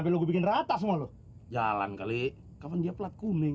belom bikin rata semua jalan kali kapan dia pelat kuming